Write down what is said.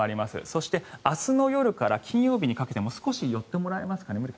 そして、明日の夜から金曜日にかけても少し寄ってもらえますかね